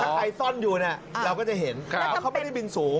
ถ้าใครซ่อนอยู่เนี่ยเราก็จะเห็นแต่เพราะเขาไม่ได้บินสูง